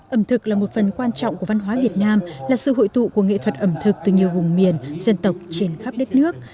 ẩm thực là một phần quan trọng của văn hóa việt nam là sự hội tụ của nghệ thuật ẩm thực từ nhiều vùng miền dân tộc trên khắp đất nước